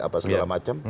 apa segala macam